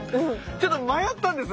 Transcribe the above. ちょっと迷ったんです。